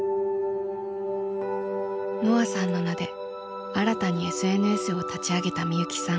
あさんの名で新たにＳＮＳを立ち上げたみゆきさん。